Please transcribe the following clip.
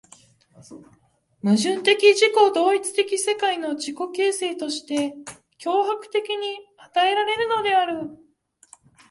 矛盾的自己同一的世界の自己形成として強迫的に与えられるのである。